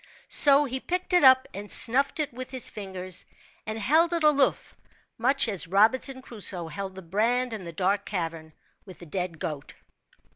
So he picked it up and snuffed it with his fingers, and held it aloof, much as Robinson Crusoe held the brand in the dark cavern with the dead goat.